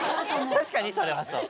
確かにそれはそう。